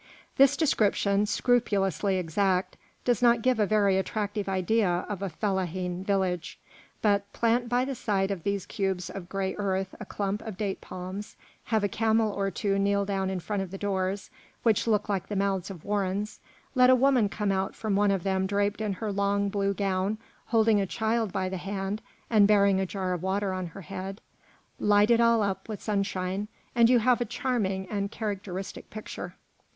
This description, scrupulously exact, does not give a very attractive idea of a fellahin village; but plant by the side of these cubes of gray earth a clump of date palms, have a camel or two kneel down in front of the doors, which look like the mouths of warrens, let a woman come out from one of them draped in her long blue gown, holding a child by the hand and bearing a jar of water on her head, light it all up with sunlight, and you have a charming and characteristic picture.